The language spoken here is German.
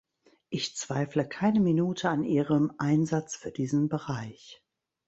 Ich zweifle keine Minute an Ihrem Einsatz für diesen Bereich.